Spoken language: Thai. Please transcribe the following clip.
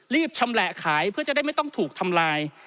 ชำแหละขายเพื่อจะได้ไม่ต้องถูกทำลาย